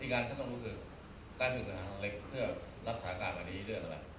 อีกอันก็ต้องรู้สึกต้องรู้สึกสัญลักษณ์เล็กเพื่อรักษาการแบบนี้เรื่องอะไร